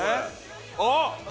あっ！